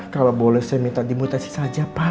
kalau boleh saya minta dimutasi saja pak